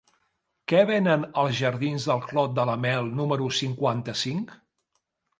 Què venen als jardins del Clot de la Mel número cinquanta-cinc?